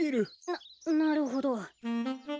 ななるほど。